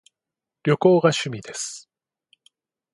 旅行が趣味です